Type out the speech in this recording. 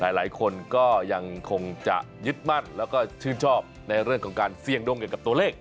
หลายคนก็ยังคงจะยึดมั่นแล้วก็ชื่นชอบในเรื่องของการเสี่ยงดวงเกี่ยวกับตัวเลข